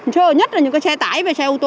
chưa nhất là những cái xe máy